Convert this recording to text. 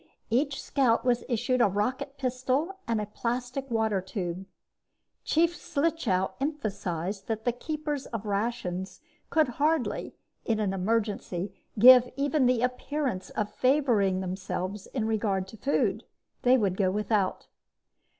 Each scout was issued a rocket pistol and a plastic water tube. Chief Slichow emphasized that the keepers of rations could hardly, in an emergency, give even the appearance of favoring themselves in regard to food. They would go without.